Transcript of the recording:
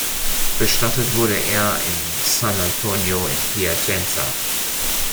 Bestattet wurde er in Sant’Antonino in Piacenza.